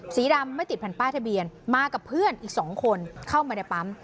สีดำไม่ติดแผ่นป้ายทะเบียนมากับเพื่อนอีก๒คนเข้ามาในปั๊ม